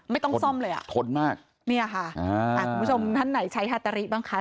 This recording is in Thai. ไม่ต้องซ่อมเลยอะเนี่ยค่ะคุณผู้ชมท่านไหนใช้ฮัตตาริกบ้างคะ